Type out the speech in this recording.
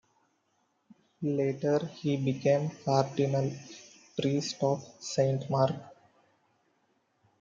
Later he became Cardinal-Priest of Saint Mark.